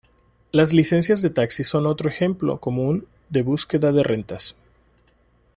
Las licencias de taxi son otro ejemplo común de búsqueda de rentas.